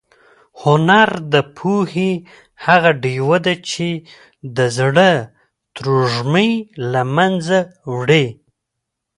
هنر د پوهې هغه ډېوه ده چې د زړه تروږمۍ له منځه وړي.